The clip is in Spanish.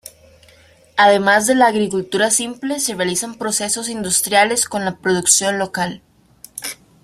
Además de la agricultura simple, se realizan procesos industriales con la producción local.